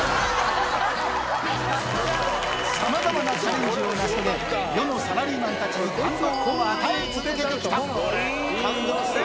さまざまなチャレンジを成し遂げ、世のサラリーマンたちに感動を与え続けてきた。